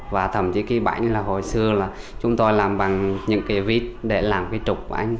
và thậm chí cái bánh là hồi xưa là chúng tôi làm bằng những cái vít để làm cái trục bánh